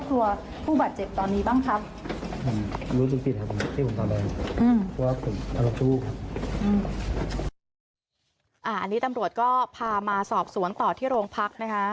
อันนี้ตำรวจก็พามาสอบสวนต่อที่โรงพักนะคะ